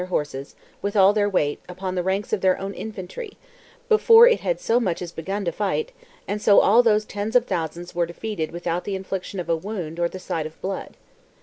their horses, with all their weight, upon the ranks of their own infantry, before it had so much as begun. to fight, and so all those tens of thousands were defeated without the infliction of a wound or the sight of blood.